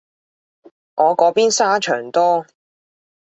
我嗰邊沙場多